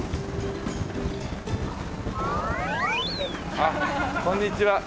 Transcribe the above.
あっこんにちは。